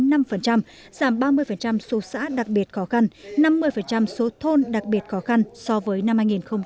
giảm ba mươi số xã đặc biệt khó khăn năm mươi số thôn đặc biệt khó khăn so với năm hai nghìn một mươi tám